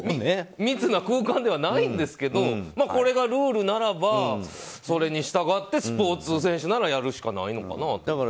密な空間ではないんですけどこれがルールならばそれに従ってスポーツ選手ならやるしかないのかなと。